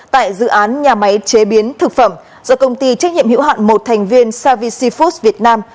tại dự án nhà máy chế biến thực phẩm do công ty trách nhiệm hữu hạn một thành viên savi food việt nam